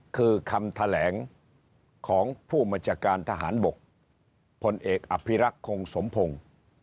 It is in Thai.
คือคำแถลงของผู้บัญชาการทหารบกพลเอกอภิรักษ์คงสมพงศ์